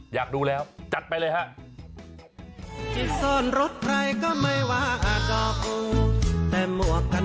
อยากดูแล้วจัดไปเลยฮะ